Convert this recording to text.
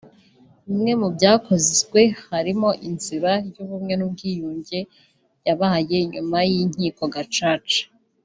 Bimwe mu byakozwe harimo inzira y’ubumwe n’ubwiyunge yabaye nyuma y’ Inkiko Gacaca